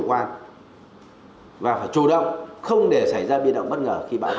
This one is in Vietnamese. khi bắt đầu xảy ra biên động bất ngờ